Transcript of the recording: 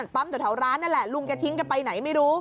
ปั๊มแถวร้านนั่นแหละลุงแกทิ้งกันไปไหนไม่รู้